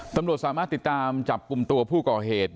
ตำรวจสามารถติดตามจับกลุ่มตัวผู้ก่อเหตุ